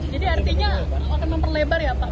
jadi artinya akan memperlebar ya pak